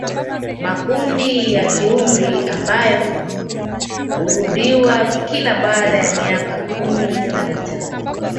Makundi ya kiumri ambayo urudiwa kila baada ya miaka kumi na mitano